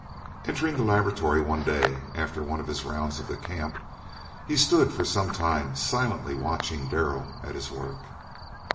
Entering the laboratory one day after one of his rounds of the camp, he stood for some time silently watching Darrell at his work.